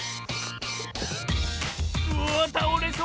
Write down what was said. うわあたおれそうだ！